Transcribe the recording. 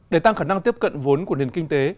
để tăng khả năng tiếp cận vốn của nền kinh tế